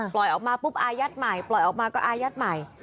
ปล่อยออกมาปุ๊บอายัดใหม่ปล่อยออกมาก็อายัดใหม่